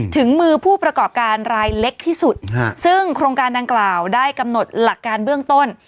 ถึงมือผู้ประกอบการรายเล็กที่สุดซึ่งโครงการดังกล่าวได้กำหนดหลักการเบื้องต้น